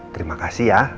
terima kasih ya